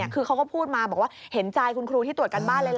คือเขาก็พูดมาบอกว่าเห็นใจคุณครูที่ตรวจการบ้านเลยล่ะ